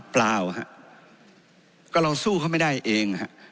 เปล่าครับก็เราสู้เข้าไม่ได้เองครับ